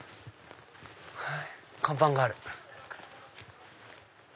看板がある。